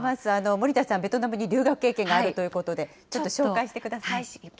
森田さん、ベトナムに留学経験があるということで、ちょっと紹介してください。